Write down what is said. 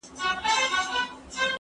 زه مخکي سبا ته فکر کړی و!.